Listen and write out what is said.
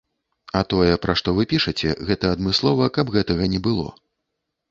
А тое, пра што вы пішаце, гэта адмыслова каб гэтага не было.